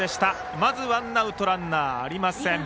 まずワンアウトランナーありません。